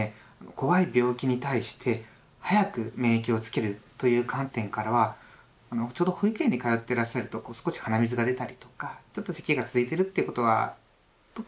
怖い病気に対して早く免疫をつけるという観点からはちょうど保育園に通ってらっしゃると少し鼻水が出たりとかちょっとせきが続いてるっていうことは特にあると思うんですよね。